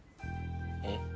えっ？